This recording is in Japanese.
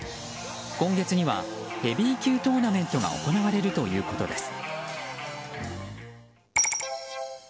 今月にはヘビー級トーナメントが行われるということです。